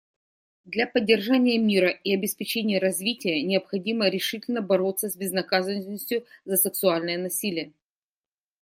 Для поддержания мира и обеспечения развития необходимо решительно бороться с безнаказанностью за сексуальное насилие.